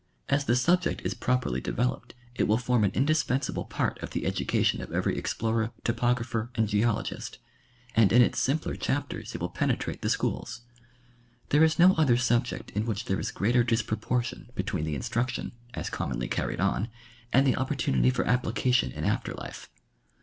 As the subject is properly developed it will form an indispensable part of the education of every explorer, topographer and geologist ; and in its simpler chapters it will penetrate the schools. There is no other subject in which there is greater disproportion between the instruction, as commonly carried o.n, and the opportunity for application in after life.